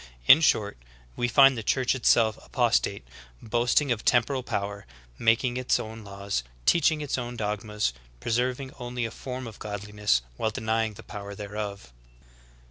In short, we find the Church itself apostate, boasting of temporal power, making its own laws, teaching its own dog mas, preserving only a form of godliness, while denying the power thereof.